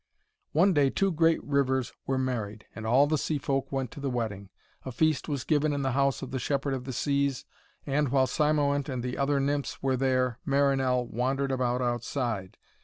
One day two great rivers were married, and all the sea folk went to the wedding. A feast was given in the house of the Shepherd of the Seas, and while Cymoënt and the other nymphs were there, Marinell wandered about outside.